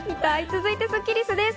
続いてスッキりすです。